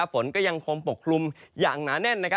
ฝนก็ยังคงปกคลุมอย่างหนาแน่น